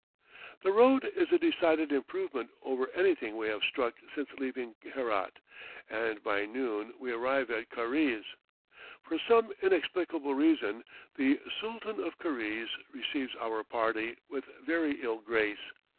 The road is a decided improvement over anything we have struck since leaving Herat, and by noon we arrive at Karize. For some inexplicable reason the Sooltan of Karize receives our party with very ill grace.